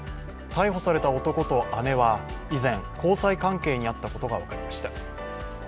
逮捕された男と姉は以前、交際関係にあったことが分かりました。